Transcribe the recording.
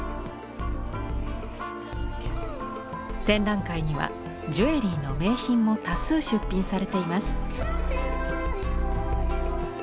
展覧会にはジュエリーの名品も多数出品されています。